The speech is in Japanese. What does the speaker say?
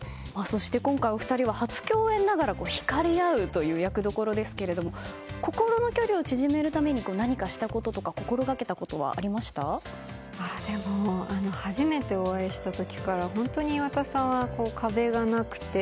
今回、お二人は初共演ながら引かれ合うという役どころですが心の距離を縮めるために何かしたことや初めてお会いした時から本当に岩田さんは壁がなくて。